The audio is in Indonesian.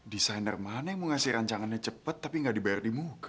desainer mana yang mau ngasih rancangannya cepat tapi nggak dibayar di muka